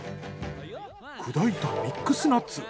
砕いたミックスナッツ。